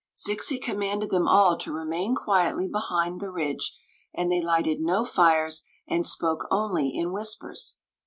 Zixi commanded them all to remain quietly behind the ffidge, and they, lighted no fires and spoke only in whispers.